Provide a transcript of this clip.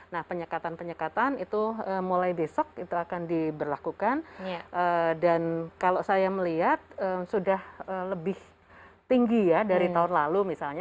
nah penyekatan penyekatan itu mulai besok itu akan diberlakukan dan kalau saya melihat sudah lebih tinggi ya dari tahun lalu misalnya